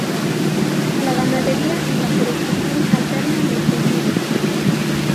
La ganadería y la forestación, alternan los cultivos.